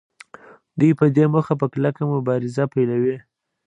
دوی په دې موخه په کلکه مبارزه پیلوي